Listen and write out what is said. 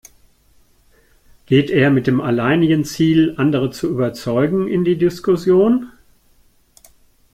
Geht er mit dem alleinigen Ziel, andere zu überzeugen, in die Diskussion?